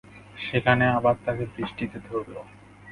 সেখানে আবার তাঁকে বৃষ্টিতে ধরল।